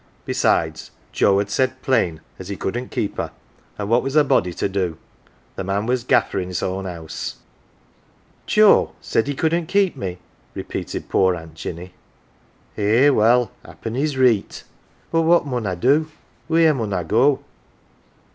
Besides, Joe had said plain as he couldn't keep her, an' what was a body to do ? The man w r as gaffer in's own house. "Joe said he couldn't keep me?" repeated poor Aunt Jinny. " Eh, well happen he's reet. But what mun I do ? wheere mun I go